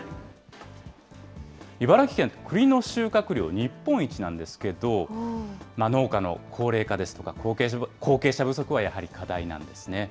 茨城県、くりの収穫量日本一なんですけど、農家の高齢化ですとか、後継者不足はやはり課題なんですね。